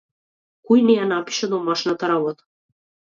Кој не ја напиша домашната работа?